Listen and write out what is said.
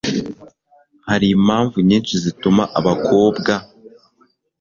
hari impamvu nyinshi zituma abakobwa